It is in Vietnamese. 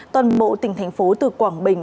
toàn bộ tỉnh thành phố từ quảng bình